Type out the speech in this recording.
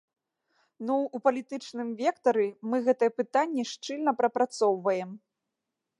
Ну, у палітычным вектары мы гэтае пытанне шчыльна прапрацоўваем.